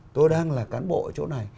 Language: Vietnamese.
tôi đang là cán bộ ở chỗ này